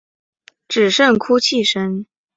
只剩哭泣声